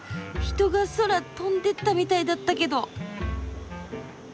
人が空飛んでったみたいだったけど。